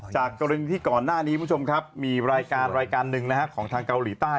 จากกรณีที่ก่อนหน้านี้มีรายการหนึ่งของทางเกาหลีใต้